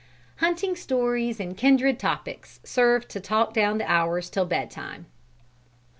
Hunting stories and kindred topics served to talk down the hours till bed time.